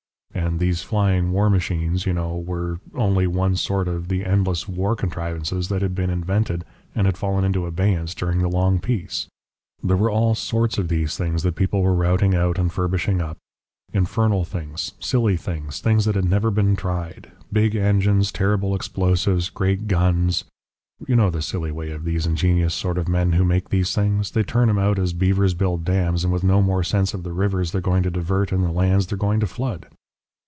And these flying war machines, you know, were only one sort of the endless war contrivances that had been invented and had fallen into abeyance during the long peace. There were all sorts of these things that people were routing out and furbishing up; infernal things, silly things; things that had never been tried; big engines, terrible explosives, great guns. You know the silly way of these ingenious sort of men who make these things; they turn 'em out as beavers build dams, and with no more sense of the rivers they're going to divert and the lands they're going to flood!